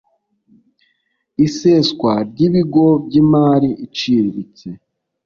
iseswa ry ibigo by imari iciriritse